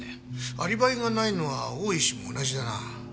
アリバイがないのは大石も同じだな。